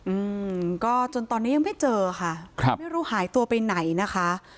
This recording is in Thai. อืมก็จนตอนนี้ยังไม่เจอค่ะครับไม่รู้หายตัวไปไหนนะคะ